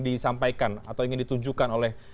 disampaikan atau ingin ditunjukkan oleh